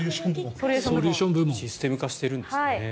システム化しているんですね。